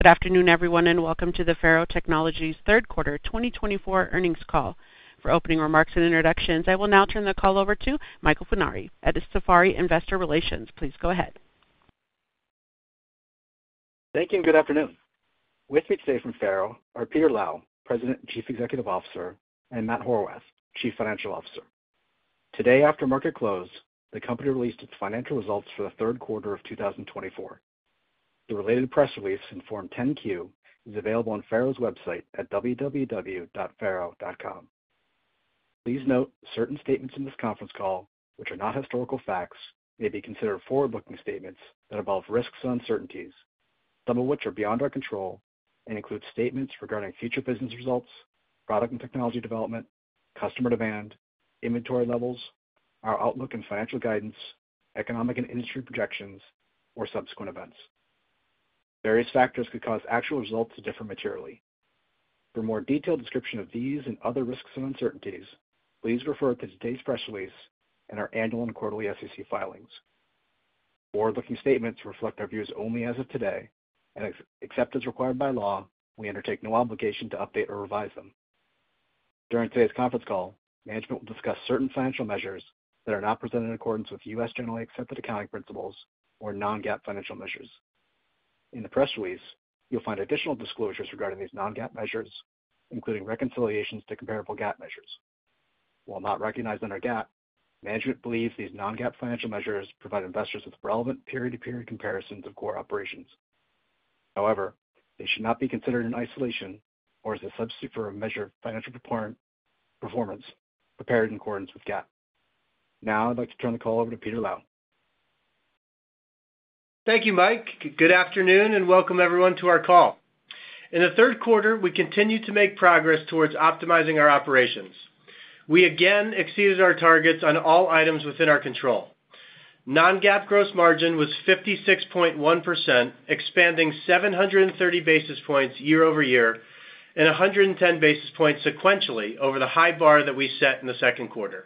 Good afternoon, everyone, and welcome to the FARO Technologies' third quarter 2024 earnings call. For opening remarks and introductions, I will now turn the call over to Michael Funari at Sapphire Investor Relations. Please go ahead. Thank you, and good afternoon. With me today from FARO are Peter Lau, President and Chief Executive Officer, and Matt Horwath, Chief Financial Officer. Today, after market close, the company released its financial results for the third quarter of 2024. The related press release in Form 10-Q is available on FARO's website at www.faro.com. Please note certain statements in this conference call, which are not historical facts, may be considered forward-looking statements that involve risks and uncertainties, some of which are beyond our control, and include statements regarding future business results, product and technology development, customer demand, inventory levels, our outlook and financial guidance, economic and industry projections, or subsequent events. Various factors could cause actual results to differ materially. For a more detailed description of these and other risks and uncertainties, please refer to today's press release and our annual and quarterly SEC filings. Forward-looking statements reflect our views only as of today, and except as required by law, we undertake no obligation to update or revise them. During today's conference call, management will discuss certain financial measures that are not presented in accordance with U.S. generally accepted accounting principles or non-GAAP financial measures. In the press release, you'll find additional disclosures regarding these non-GAAP measures, including reconciliations to comparable GAAP measures. While not recognized under GAAP, management believes these non-GAAP financial measures provide investors with relevant period-to-period comparisons of core operations. However, they should not be considered in isolation or as a substitute for a measure of financial performance prepared in accordance with GAAP. Now, I'd like to turn the call over to Peter Lau. Thank you, Mike. Good afternoon, and welcome, everyone, to our call. In the third quarter, we continue to make progress towards optimizing our operations. We again exceeded our targets on all items within our control. Non-GAAP gross margin was 56.1%, expanding 730 basis points year over year and 110 basis points sequentially over the high bar that we set in the second quarter.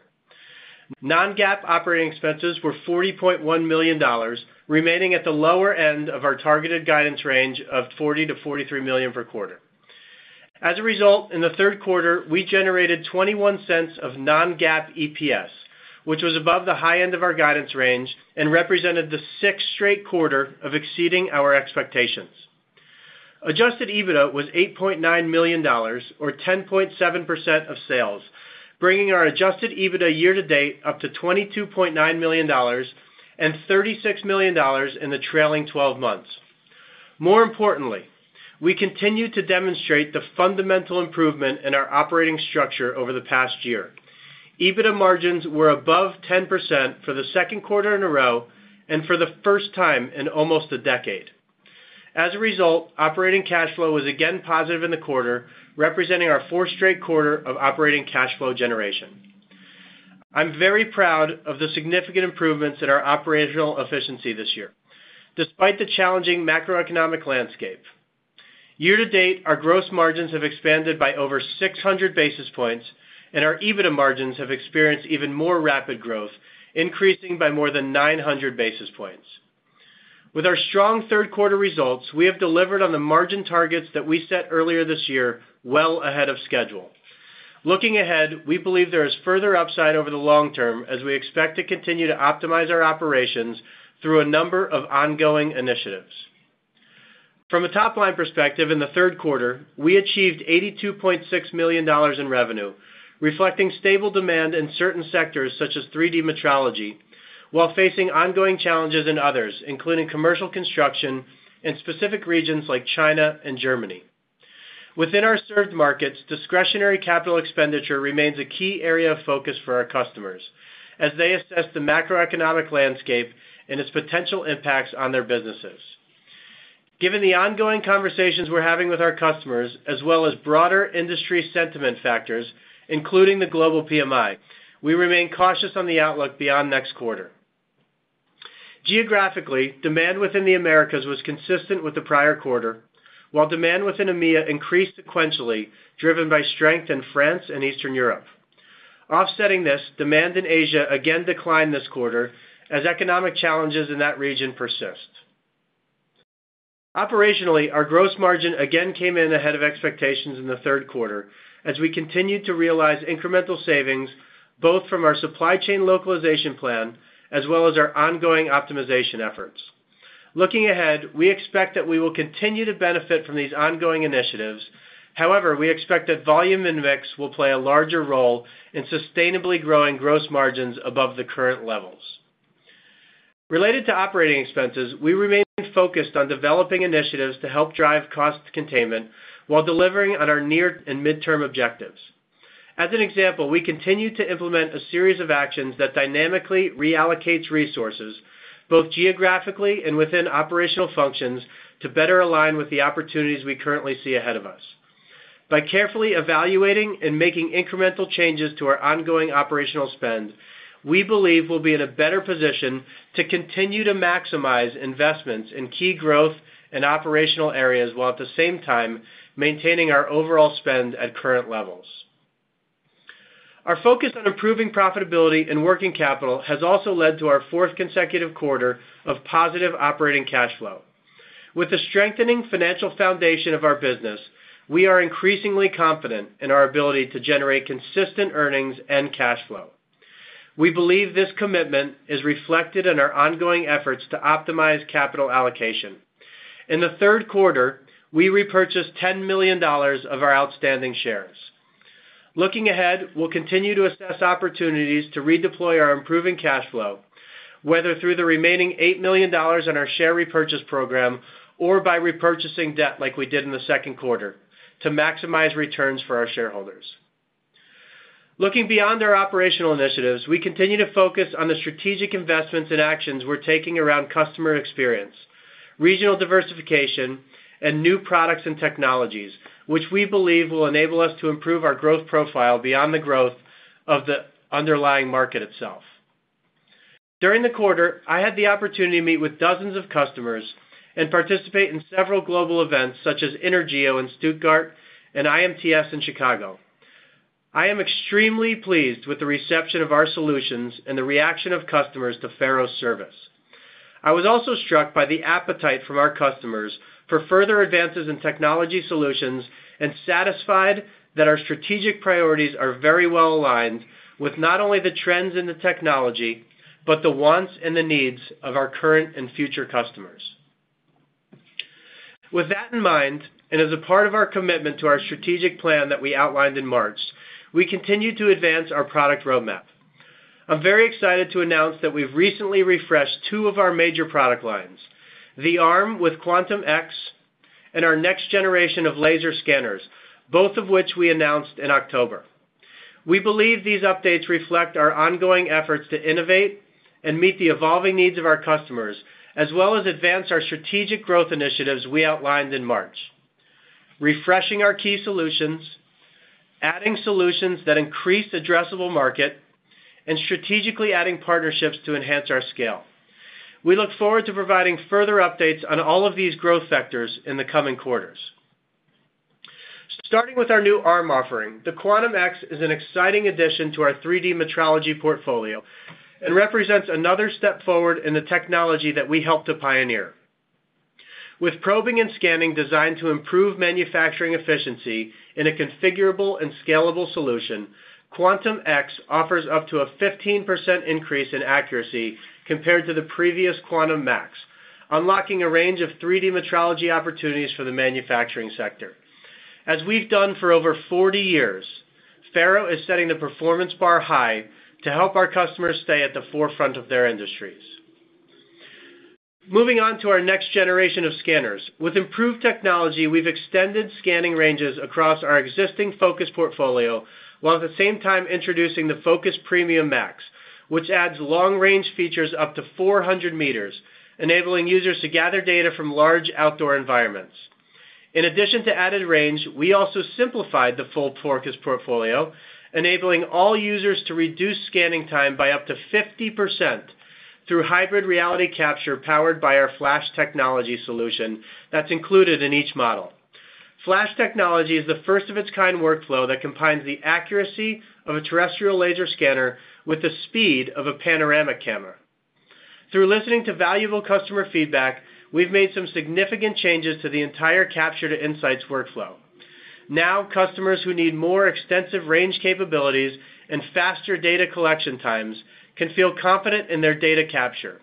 Non-GAAP operating expenses were $40.1 million, remaining at the lower end of our targeted guidance range of $40-$43 million per quarter. As a result, in the third quarter, we generated $0.21 of non-GAAP EPS, which was above the high end of our guidance range and represented the sixth straight quarter of exceeding our expectations. Adjusted EBITDA was $8.9 million, or 10.7% of sales, bringing our adjusted EBITDA year to date up to $22.9 million and $36 million in the trailing 12 months. More importantly, we continue to demonstrate the fundamental improvement in our operating structure over the past year. EBITDA margins were above 10% for the second quarter in a row and for the first time in almost a decade. As a result, operating cash flow was again positive in the quarter, representing our fourth straight quarter of operating cash flow generation. I'm very proud of the significant improvements in our operational efficiency this year, despite the challenging macroeconomic landscape. Year to date, our gross margins have expanded by over 600 basis points, and our EBITDA margins have experienced even more rapid growth, increasing by more than 900 basis points. With our strong third quarter results, we have delivered on the margin targets that we set earlier this year well ahead of schedule. Looking ahead, we believe there is further upside over the long term as we expect to continue to optimize our operations through a number of ongoing initiatives. From a top-line perspective, in the third quarter, we achieved $82.6 million in revenue, reflecting stable demand in certain sectors such as 3D metrology, while facing ongoing challenges in others, including commercial construction and specific regions like China and Germany. Within our served markets, discretionary capital expenditure remains a key area of focus for our customers as they assess the macroeconomic landscape and its potential impacts on their businesses. Given the ongoing conversations we're having with our customers, as well as broader industry sentiment factors, including the global PMI, we remain cautious on the outlook beyond next quarter. Geographically, demand within the Americas was consistent with the prior quarter, while demand within EMEA increased sequentially, driven by strength in France and Eastern Europe. Offsetting this, demand in Asia again declined this quarter as economic challenges in that region persist. Operationally, our gross margin again came in ahead of expectations in the third quarter as we continued to realize incremental savings both from our supply chain localization plan as well as our ongoing optimization efforts. Looking ahead, we expect that we will continue to benefit from these ongoing initiatives. However, we expect that volume and mix will play a larger role in sustainably growing gross margins above the current levels. Related to operating expenses, we remain focused on developing initiatives to help drive cost containment while delivering on our near and midterm objectives. As an example, we continue to implement a series of actions that dynamically reallocates resources, both geographically and within operational functions, to better align with the opportunities we currently see ahead of us. By carefully evaluating and making incremental changes to our ongoing operational spend, we believe we'll be in a better position to continue to maximize investments in key growth and operational areas while at the same time maintaining our overall spend at current levels. Our focus on improving profitability and working capital has also led to our fourth consecutive quarter of positive operating cash flow. With the strengthening financial foundation of our business, we are increasingly confident in our ability to generate consistent earnings and cash flow. We believe this commitment is reflected in our ongoing efforts to optimize capital allocation. In the third quarter, we repurchased $10 million of our outstanding shares. Looking ahead, we'll continue to assess opportunities to redeploy our improving cash flow, whether through the remaining $8 million on our share repurchase program or by repurchasing debt like we did in the second quarter to maximize returns for our shareholders. Looking beyond our operational initiatives, we continue to focus on the strategic investments and actions we're taking around customer experience, regional diversification, and new products and technologies, which we believe will enable us to improve our growth profile beyond the growth of the underlying market itself. During the quarter, I had the opportunity to meet with dozens of customers and participate in several global events such as INTERGEO in Stuttgart and IMTS in Chicago. I am extremely pleased with the reception of our solutions and the reaction of customers to FARO's service. I was also struck by the appetite from our customers for further advances in technology solutions and satisfied that our strategic priorities are very well aligned with not only the trends in the technology but the wants and the needs of our current and future customers. With that in mind, and as a part of our commitment to our strategic plan that we outlined in March, we continue to advance our product roadmap. I'm very excited to announce that we've recently refreshed two of our major product lines: the arm with Quantum X and our next generation of laser scanners, both of which we announced in October. We believe these updates reflect our ongoing efforts to innovate and meet the evolving needs of our customers, as well as advance our strategic growth initiatives we outlined in March, refreshing our key solutions, adding solutions that increase addressable market, and strategically adding partnerships to enhance our scale. We look forward to providing further updates on all of these growth factors in the coming quarters. Starting with our new arm offering, the Quantum X is an exciting addition to our 3D metrology portfolio and represents another step forward in the technology that we helped to pioneer. With probing and scanning designed to improve manufacturing efficiency in a configurable and scalable solution, Quantum X offers up to a 15% increase in accuracy compared to the previous Quantum Max, unlocking a range of 3D metrology opportunities for the manufacturing sector. As we've done for over 40 years, FARO is setting the performance bar high to help our customers stay at the forefront of their industries. Moving on to our next generation of scanners. With improved technology, we've extended scanning ranges across our existing Focus portfolio while at the same time introducing the Focus Premium Max, which adds long-range features up to 400 meters, enabling users to gather data from large outdoor environments. In addition to added range, we also simplified the full Focus portfolio, enabling all users to reduce scanning time by up to 50% through Hybrid Reality Capture powered by our Flash Technology solution that's included in each model. Flash Technology is the first of its kind workflow that combines the accuracy of a terrestrial laser scanner with the speed of a panoramic camera. Through listening to valuable customer feedback, we've made some significant changes to the entire capture to insights workflow. Now, customers who need more extensive range capabilities and faster data collection times can feel confident in their data capture.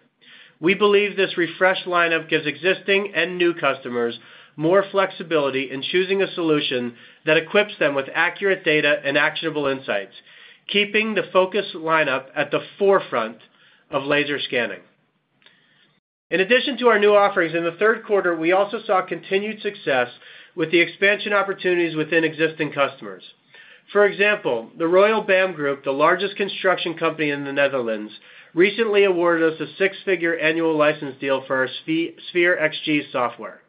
We believe this refreshed lineup gives existing and new customers more flexibility in choosing a solution that equips them with accurate data and actionable insights, keeping the Focus lineup at the forefront of laser scanning. In addition to our new offerings in the third quarter, we also saw continued success with the expansion opportunities within existing customers. For example, the Royal BAM Group, the largest construction company in the Netherlands, recently awarded us a six-figure annual license deal for our Sphere XG software.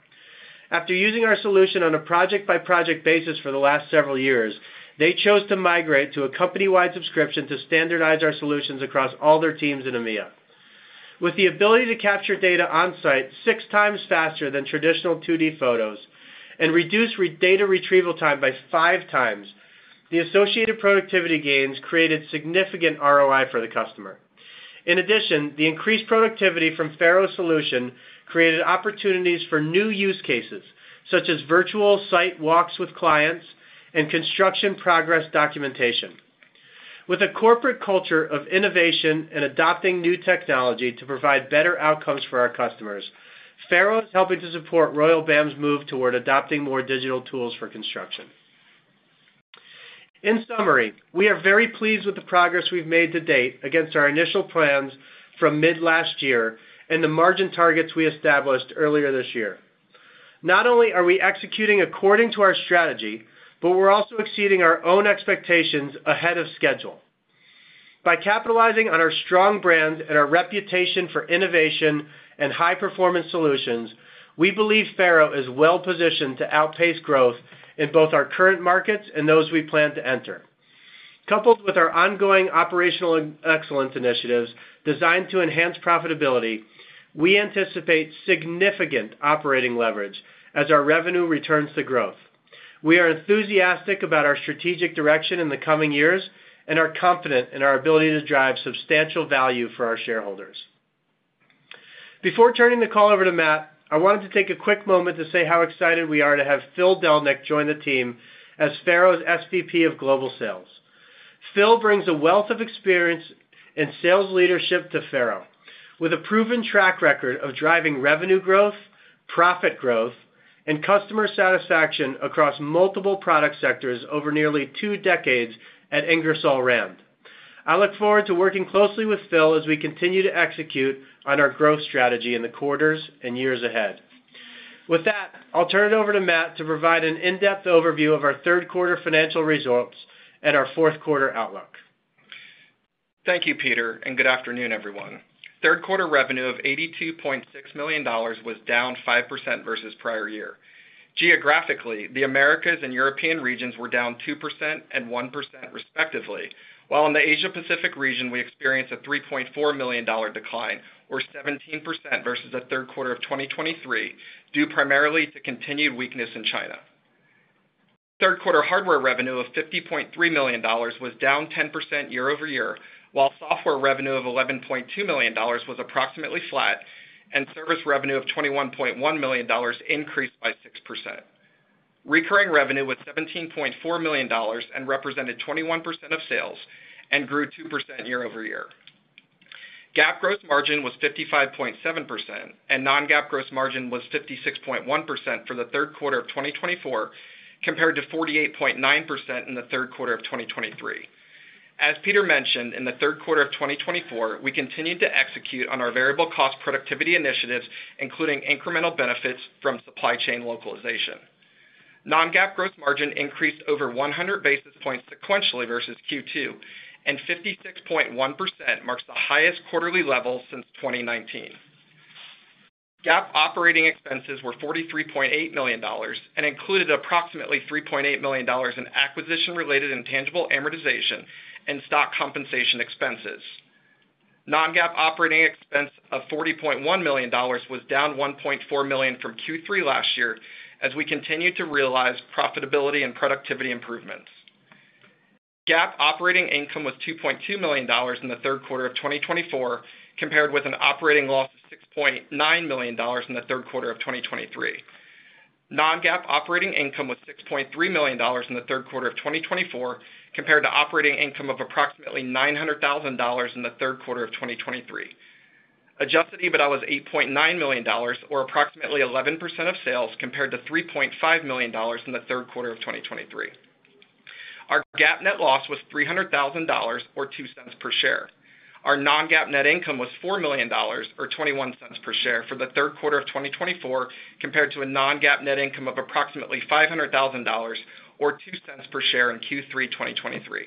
After using our solution on a project-by-project basis for the last several years, they chose to migrate to a company-wide subscription to standardize our solutions across all their teams in EMEA. With the ability to capture data on-site six times faster than traditional 2D photos and reduce data retrieval time by five times, the associated productivity gains created significant ROI for the customer. In addition, the increased productivity from FARO's solution created opportunities for new use cases such as virtual site walks with clients and construction progress documentation. With a corporate culture of innovation and adopting new technology to provide better outcomes for our customers, FARO is helping to support Royal BAM's move toward adopting more digital tools for construction. In summary, we are very pleased with the progress we've made to date against our initial plans from mid-last year and the margin targets we established earlier this year. Not only are we executing according to our strategy, but we're also exceeding our own expectations ahead of schedule. By capitalizing on our strong brand and our reputation for innovation and high-performance solutions, we believe FARO is well-positioned to outpace growth in both our current markets and those we plan to enter. Coupled with our ongoing operational excellence initiatives designed to enhance profitability, we anticipate significant operating leverage as our revenue returns to growth. We are enthusiastic about our strategic direction in the coming years and are confident in our ability to drive substantial value for our shareholders. Before turning the call over to Matt, I wanted to take a quick moment to say how excited we are to have Phil Delnyk join the team as FARO's SVP of Global Sales. Phil brings a wealth of experience and sales leadership to FARO, with a proven track record of driving revenue growth, profit growth, and customer satisfaction across multiple product sectors over nearly two decades at Ingersoll Rand. I look forward to working closely with Phil as we continue to execute on our growth strategy in the quarters and years ahead. With that, I'll turn it over to Matt to provide an in-depth overview of our third-quarter financial results and our fourth-quarter outlook. Thank you, Peter, and good afternoon, everyone. Third-quarter revenue of $82.6 million was down 5% versus prior year. Geographically, the Americas and European regions were down 2% and 1% respectively, while in the Asia-Pacific region, we experienced a $3.4 million decline or 17% versus the third quarter of 2023, due primarily to continued weakness in China. Third-quarter hardware revenue of $50.3 million was down 10% year over year, while software revenue of $11.2 million was approximately flat, and service revenue of $21.1 million increased by 6%. Recurring revenue was $17.4 million and represented 21% of sales, and grew 2% year over year. GAAP gross margin was 55.7%, and Non-GAAP gross margin was 56.1% for the third quarter of 2024, compared to 48.9% in the third quarter of 2023. As Peter mentioned, in the third quarter of 2024, we continued to execute on our variable cost productivity initiatives, including incremental benefits from supply chain localization. Non-GAAP gross margin increased over 100 basis points sequentially versus Q2, and 56.1% marks the highest quarterly level since 2019. GAAP operating expenses were $43.8 million and included approximately $3.8 million in acquisition-related intangible amortization and stock compensation expenses. Non-GAAP operating expense of $40.1 million was down $1.4 million from Q3 last year as we continued to realize profitability and productivity improvements. GAAP operating income was $2.2 million in the third quarter of 2024, compared with an operating loss of $6.9 million in the third quarter of 2023. Non-GAAP operating income was $6.3 million in the third quarter of 2024, compared to operating income of approximately $900,000 in the third quarter of 2023. Adjusted EBITDA was $8.9 million, or approximately 11% of sales, compared to $3.5 million in the third quarter of 2023. Our GAAP net loss was $300,000 or 2 cents per share. Our non-GAAP net income was $4 million or 21 cents per share for the third quarter of 2024, compared to a non-GAAP net income of approximately $500,000 or 2 cents per share in Q3 2023.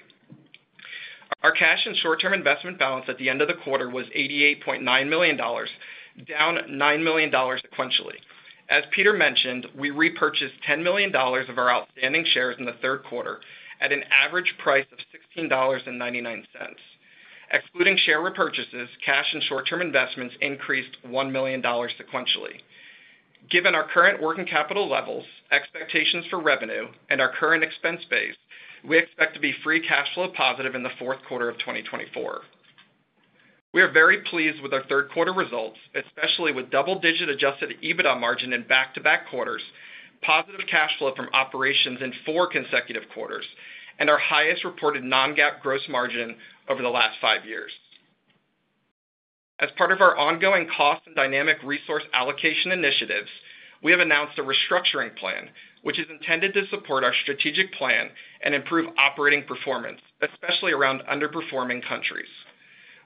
Our cash and short-term investment balance at the end of the quarter was $88.9 million, down $9 million sequentially. As Peter mentioned, we repurchased $10 million of our outstanding shares in the third quarter at an average price of $16.99. Excluding share repurchases, cash and short-term investments increased $1 million sequentially. Given our current working capital levels, expectations for revenue, and our current expense base, we expect to be free cash flow positive in the fourth quarter of 2024. We are very pleased with our third-quarter results, especially with double-digit adjusted EBITDA margin in back-to-back quarters, positive cash flow from operations in four consecutive quarters, and our highest reported non-GAAP gross margin over the last five years. As part of our ongoing cost and dynamic resource allocation initiatives, we have announced a restructuring plan, which is intended to support our strategic plan and improve operating performance, especially around underperforming countries.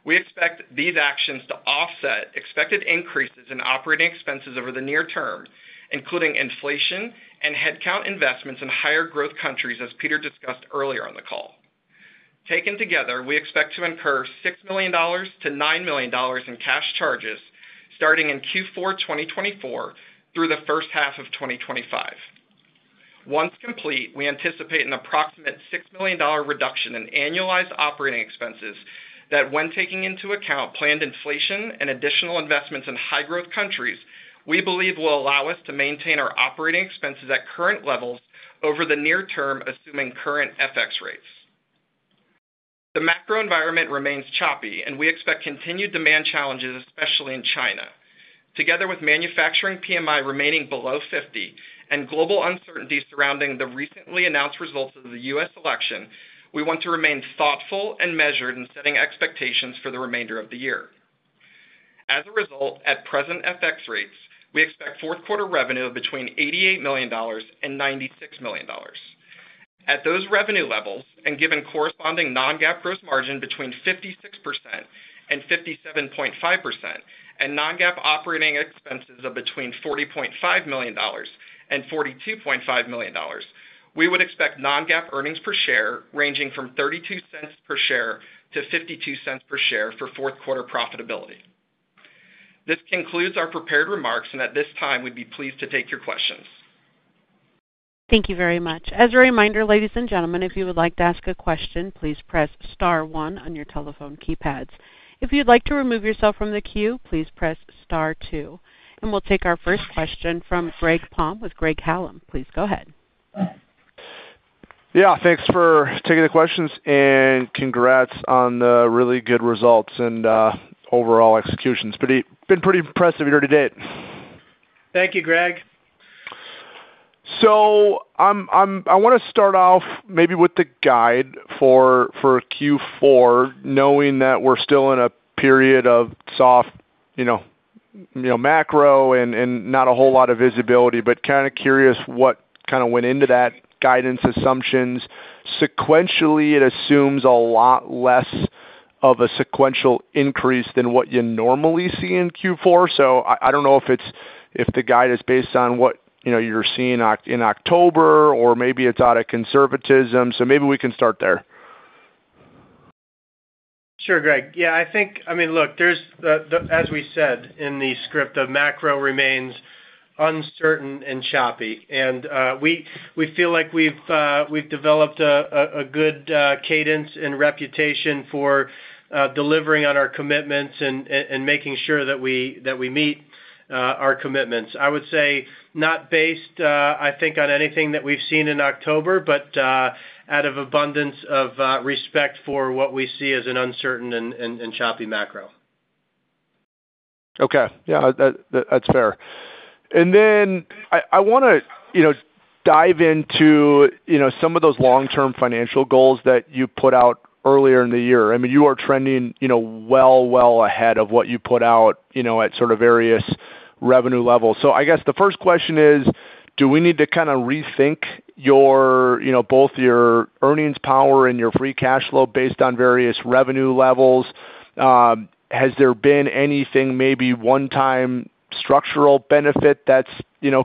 We expect these actions to offset expected increases in operating expenses over the near term, including inflation and headcount investments in higher-growth countries, as Peter discussed earlier on the call. Taken together, we expect to incur $6 million-$9 million in cash charges starting in Q4 2024 through the first half of 2025. Once complete, we anticipate an approximate $6 million reduction in annualized operating expenses that, when taking into account planned inflation and additional investments in high-growth countries, we believe will allow us to maintain our operating expenses at current levels over the near term, assuming current FX rates. The macro environment remains choppy, and we expect continued demand challenges, especially in China. Together with manufacturing PMI remaining below 50 and global uncertainty surrounding the recently announced results of the U.S. election, we want to remain thoughtful and measured in setting expectations for the remainder of the year. As a result, at present FX rates, we expect fourth-quarter revenue of between $88 million and $96 million. At those revenue levels and given corresponding non-GAAP gross margin between 56% and 57.5% and non-GAAP operating expenses of between $40.5 million and $42.5 million, we would expect non-GAAP earnings per share ranging from $0.32 per share to $0.52 per share for fourth-quarter profitability. This concludes our prepared remarks, and at this time, we'd be pleased to take your questions. Thank you very much. As a reminder, ladies and gentlemen, if you would like to ask a question, please press Star 1 on your telephone keypads. If you'd like to remove yourself from the queue, please press Star 2. And we'll take our first question from Greg Palm with Craig-Hallum. Please go ahead. Yeah, thanks for taking the questions and congrats on the really good results and overall executions. It's been a pretty impressive year to date. Thank you, Greg. I want to start off maybe with the guide for Q4, knowing that we're still in a period of soft macro and not a whole lot of visibility, but kind of curious what kind of went into that guidance assumptions. Sequentially, it assumes a lot less of a sequential increase than what you normally see in Q4. I don't know if the guide is based on what you're seeing in October, or maybe it's out of conservatism. Maybe we can start there. Sure, Greg. Yeah, I think, I mean, look, as we said in the script, the macro remains uncertain and choppy. We feel like we've developed a good cadence and reputation for delivering on our commitments and making sure that we meet our commitments. I would say not based, I think, on anything that we've seen in October, but out of abundance of respect for what we see as an uncertain and choppy macro. Okay. Yeah, that's fair. And then I want to dive into some of those long-term financial goals that you put out earlier in the year. I mean, you are trending well, well ahead of what you put out at sort of various revenue levels. So I guess the first question is, do we need to kind of rethink both your earnings power and your free cash flow based on various revenue levels? Has there been anything, maybe one-time structural benefit that's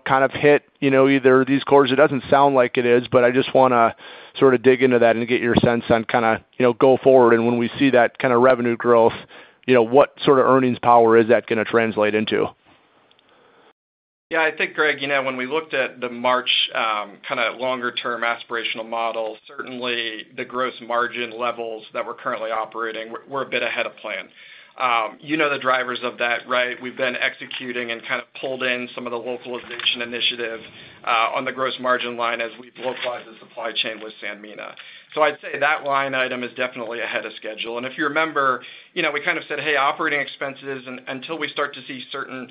kind of hit either these quarters? It doesn't sound like it is, but I just want to sort of dig into that and get your sense on kind of going forward. And when we see that kind of revenue growth, what sort of earnings power is that going to translate into? Yeah, I think, Greg, when we looked at the March kind of longer-term aspirational model, certainly the gross margin levels that we're currently operating, we're a bit ahead of plan. You know the drivers of that, right? We've been executing and kind of pulled in some of the localization initiative on the gross margin line as we've localized the supply chain with Sanmina. So I'd say that line item is definitely ahead of schedule. And if you remember, we kind of said, "Hey, operating expenses, until we start to see certain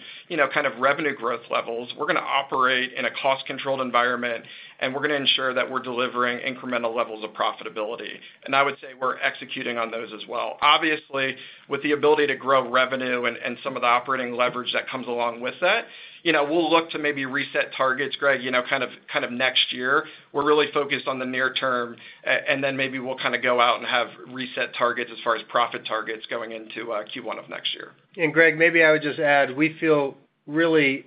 kind of revenue growth levels, we're going to operate in a cost-controlled environment, and we're going to ensure that we're delivering incremental levels of profitability." And I would say we're executing on those as well. Obviously, with the ability to grow revenue and some of the operating leverage that comes along with that, we'll look to maybe reset targets, Greg, kind of next year. We're really focused on the near term, and then maybe we'll kind of go out and have reset targets as far as profit targets going into Q1 of next year. And Greg, maybe I would just add, we feel really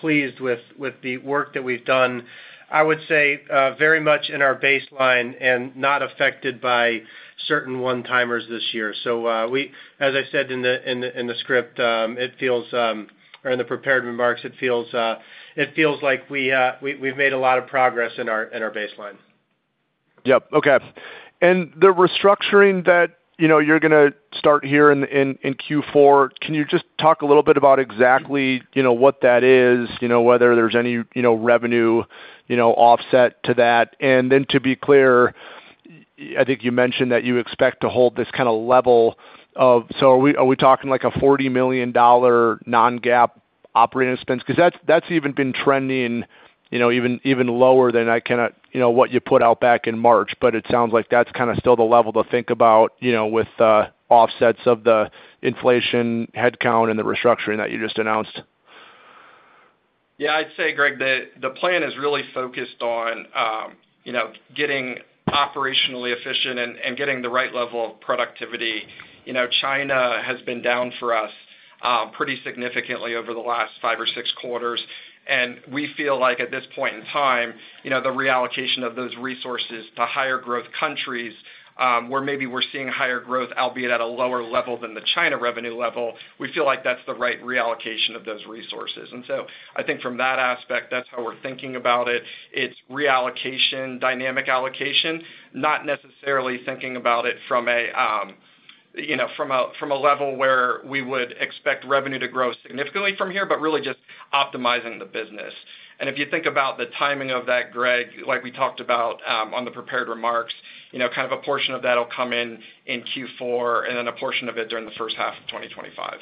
pleased with the work that we've done. I would say very much in our baseline and not affected by certain one-timers this year. So as I said in the script, it feels, or in the prepared remarks, it feels like we've made a lot of progress in our baseline. Yep. Okay. And the restructuring that you're going to start here in Q4, can you just talk a little bit about exactly what that is, whether there's any revenue offset to that? And then to be clear, I think you mentioned that you expect to hold this kind of level of, so are we talking like a $40 million non-GAAP operating expense? Because that's even been trending even lower than what you put out back in March, but it sounds like that's kind of still the level to think about with offsets of the inflation, headcount, and the restructuring that you just announced. Yeah, I'd say, Greg, the plan is really focused on getting operationally efficient and getting the right level of productivity. China has been down for us pretty significantly over the last five or six quarters. And we feel like at this point in time, the reallocation of those resources to higher-growth countries, where maybe we're seeing higher growth, albeit at a lower level than the China revenue level, we feel like that's the right reallocation of those resources. And so I think from that aspect, that's how we're thinking about it. It's reallocation, dynamic allocation, not necessarily thinking about it from a level where we would expect revenue to grow significantly from here, but really just optimizing the business. And if you think about the timing of that, Greg, like we talked about on the prepared remarks, kind of a portion of that will come in Q4 and then a portion of it during the first half of 2025.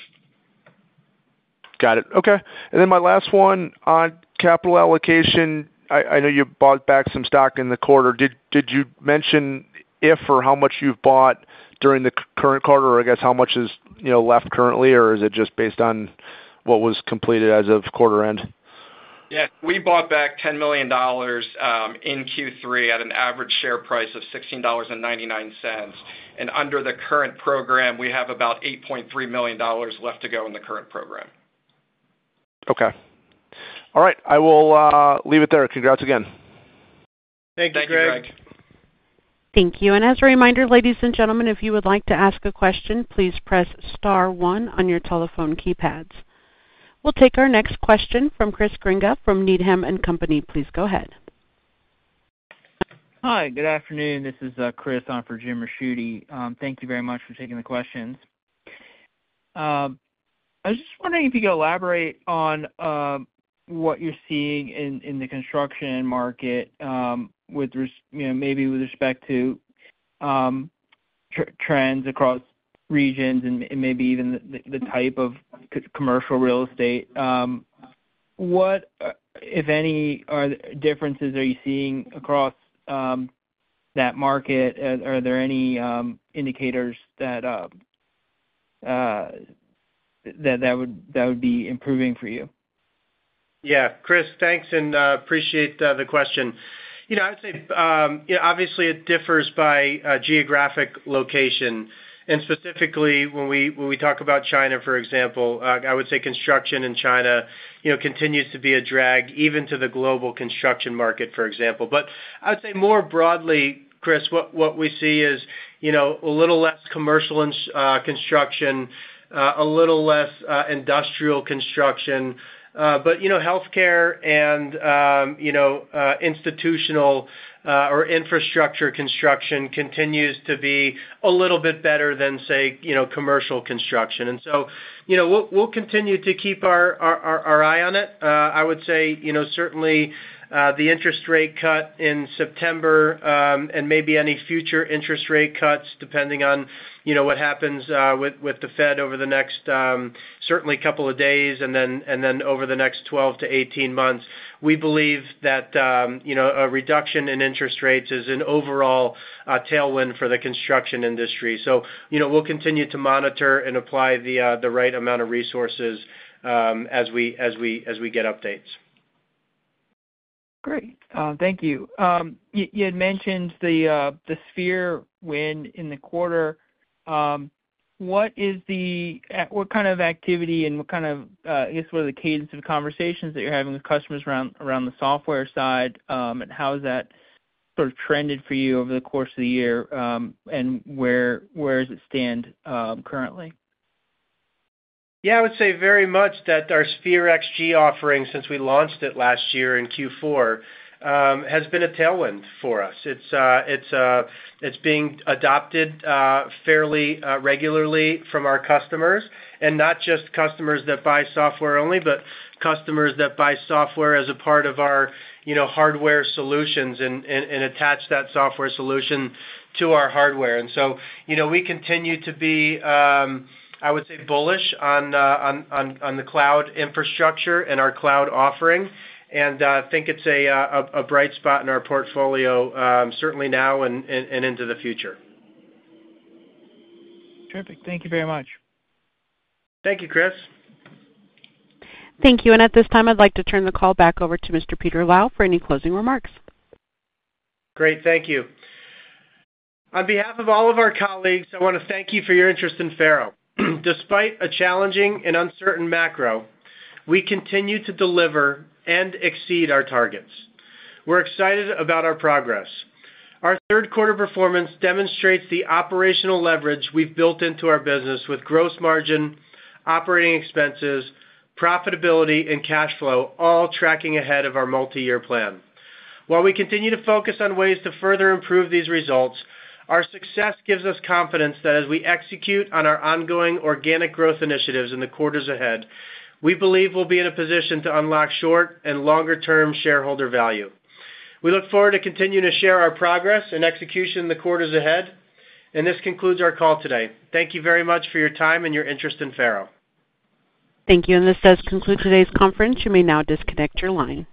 Got it. Okay. And then my last one, on capital allocation, I know you bought back some stock in the quarter. Did you mention if or how much you've bought during the current quarter, or I guess how much is left currently, or is it just based on what was completed as of quarter end? Yes. We bought back $10 million in Q3 at an average share price of $16.99. And under the current program, we have about $8.3 million left to go in the current program. Okay. All right. I will leave it there. Congrats again. Thank you, Greg. Thank you, Greg. Thank you. And as a reminder, ladies and gentlemen, if you would like to ask a question, please press Star 1 on your telephone keypads. We'll take our next question from Chris Grenga from Needham & Company. Please go ahead. Hi. Good afternoon. This is Chris on for Jim Ricchiuti. Thank you very much for taking the questions. I was just wondering if you could elaborate on what you're seeing in the construction market, maybe with respect to trends across regions and maybe even the type of commercial real estate. What, if any, differences are you seeing across that market? Are there any indicators that would be improving for you? Yeah. Chris, thanks and appreciate the question. I'd say, obviously, it differs by geographic location. And specifically, when we talk about China, for example, I would say construction in China continues to be a drag even to the global construction market, for example. But I would say more broadly, Chris, what we see is a little less commercial construction, a little less industrial construction. But healthcare and institutional or infrastructure construction continues to be a little bit better than, say, commercial construction. And so we'll continue to keep our eye on it. I would say certainly the interest rate cut in September and maybe any future interest rate cuts, depending on what happens with the Fed over the next certainly couple of days and then over the next 12 to 18 months, we believe that a reduction in interest rates is an overall tailwind for the construction industry. So we'll continue to monitor and apply the right amount of resources as we get updates. Great. Thank you. You had mentioned the Sphere win in the quarter. What kind of activity and what kind of, I guess, what are the cadence of conversations that you're having with customers around the software side, and how has that sort of trended for you over the course of the year, and where does it stand currently? Yeah, I would say very much that our Sphere XG offering, since we launched it last year in Q4, has been a tailwind for us. It's being adopted fairly regularly from our customers, and not just customers that buy software only, but customers that buy software as a part of our hardware solutions and attach that software solution to our hardware. And so we continue to be, I would say, bullish on the cloud infrastructure and our cloud offering, and I think it's a bright spot in our portfolio, certainly now and into the future. Terrific. Thank you very much. Thank you, Chris. Thank you. And at this time, I'd like to turn the call back over to Mr. Peter Lau for any closing remarks. Great. Thank you. On behalf of all of our colleagues, I want to thank you for your interest in FARO. Despite a challenging and uncertain macro, we continue to deliver and exceed our targets. We're excited about our progress. Our third-quarter performance demonstrates the operational leverage we've built into our business with gross margin, operating expenses, profitability, and cash flow, all tracking ahead of our multi-year plan. While we continue to focus on ways to further improve these results, our success gives us confidence that as we execute on our ongoing organic growth initiatives in the quarters ahead, we believe we'll be in a position to unlock short and longer-term shareholder value. We look forward to continuing to share our progress and execution in the quarters ahead. And this concludes our call today. Thank you very much for your time and your interest in FARO. Thank you. And this does conclude today's conference. You may now disconnect your line.